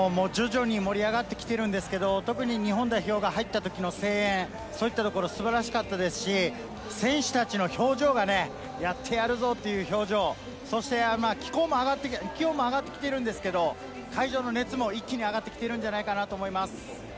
徐々に盛り上がってきているんですけれど、特に日本代表が入ったときの声援、そういったところ素晴らしかったですし、選手たちの表情がやってやるぞという表情、そして気温も上がってきているんですけれども、会場の熱も一気に上がってきているんじゃないかなと思います。